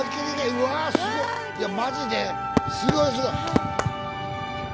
うわすごい！いやマジですごいすごい！